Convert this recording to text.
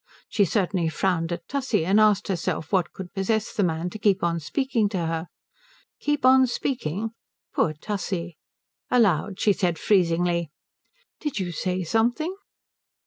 She certainly frowned at Tussie and asked herself what could possess the man to keep on speaking to her. Keep on speaking! Poor Tussie. Aloud she said freezingly, "Did you say something?"